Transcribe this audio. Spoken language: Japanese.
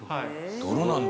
泥なんだ。